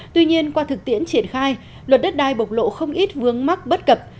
tuy nhiên qua thực tiễn triển khai luật đất đai bộc lộ không ít vướng mắc bất cập